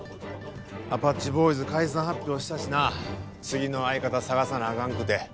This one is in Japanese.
アパッチボーイズ解散発表したしな次の相方探さなあかんくて。